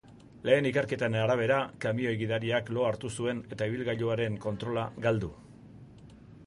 Lehen ikerketen arabera, kamioi gidariak lo hartu zuen eta ibilgailuaren controla galdu.